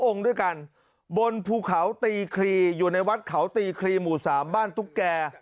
องค์ด้วยกันบนภูเขาตีคลีอยู่ในวัดเขาตีครีหมู่สามบ้านตุ๊กแก่